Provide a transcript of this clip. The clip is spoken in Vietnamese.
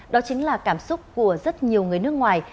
đó chính là cảm xúc của rất nhiều người nước ngoài